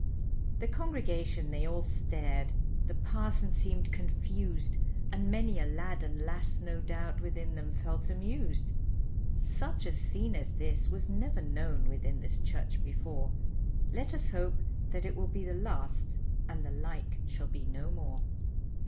The congregation they all stared, the parson seemed confused, And many a lad and lass no doubt, within them felt amused; Such a scene as this was never known within this church before, Let us hope that it will be the last, and the like shall be no more.